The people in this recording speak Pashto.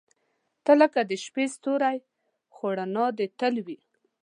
• ته لکه د شپې ستوری، خو رڼا دې تل وي.